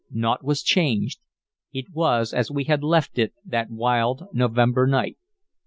Naught was changed; it was as we had left it that wild November night.